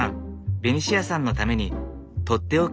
ベニシアさんのために作ってある。